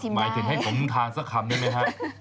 หมายถึงให้ผมทานสักคำได้ไหมฮะ